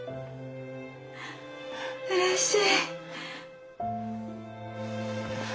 うれしい！